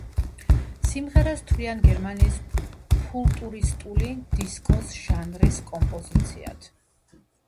სიმღერას თვლიან გერმანიის ფუტურისტული დისკოს ჟანრის კომპოზიციად.